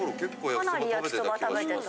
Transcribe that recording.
かなり焼きそば食べてた。